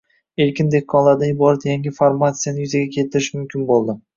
erkin dehqonlardan iborat yangi formatsiyani yuzaga keltirish mumkin bo‘ldi.